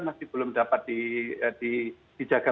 masih belum dapat dijaga